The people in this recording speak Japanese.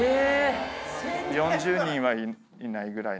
４０人はいないぐらい。